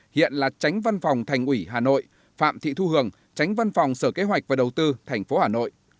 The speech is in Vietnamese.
hiện là tránh văn phòng thành ủy hà nội phạm thị thu hường tránh văn phòng sở kế hoạch và đầu tư tp hà nội